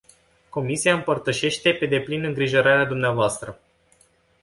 Comisia împărtășește pe deplin îngrijorarea dvs.